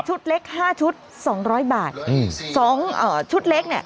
ชุดเล็ก๕ชุดคือ๒๐๐บาท๒ชุดเทพฯขาย